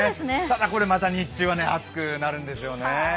ただこれ、また日中は暑くなるんですよね。